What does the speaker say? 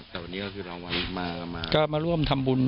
ดก็มาร่วมทำบุญ